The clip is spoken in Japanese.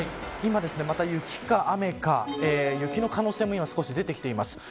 今、また雪か雨か雪の可能性も少し出てきています。